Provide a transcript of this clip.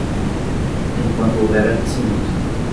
Enquanto houver aquecimento